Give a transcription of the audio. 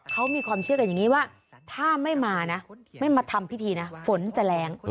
เขามีความเชื่อกันอย่างนี้ว่าถ้าไม่มานะไม่มาทำพิธีนะฝนจะแรง